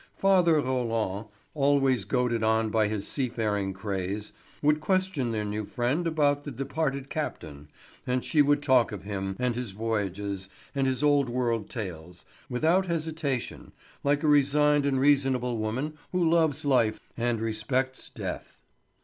Father Roland, always goaded on by his seafaring craze, would question their new friend about the departed captain; and she would talk of him, and his voyages, and his old world tales, without hesitation, like a resigned and reasonable woman who loves life and respects death.